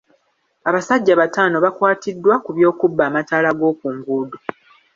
Abasajja batano bakwattiddwa ku by'okubba amataala g'oku nguudo.